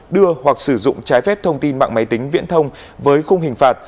đưa hoặc sử dụng trái phép thông tin mạng máy tính viễn thông với khung hình phạt